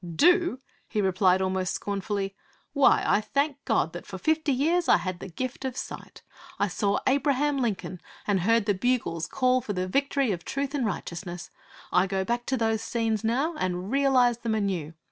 'Do?' he replied almost scornfully. 'Why, I thank God that for fifty years I had the gift of sight. I saw Abraham Lincoln, and heard the bugles call for the victory of Truth and Righteousness. I go back to those scenes now, and realize them anew.